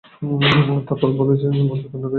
তারপর বলে, যেসব মজার কান্ড গাঁয়ে।